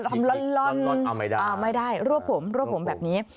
ทำร้อนอ้าวไม่ได้รวบผมแบบนี้